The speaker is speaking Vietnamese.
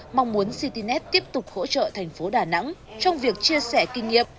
mong muốn citynet tiếp tục hỗ trợ thành phố đà nẵng trong việc chia sẻ kinh nghiệm